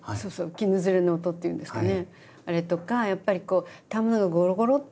きぬ擦れの音っていうんですかね。